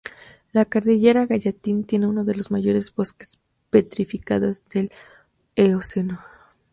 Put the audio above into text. La cordillera Gallatin tiene uno de los mayores bosques petrificados del Eoceno.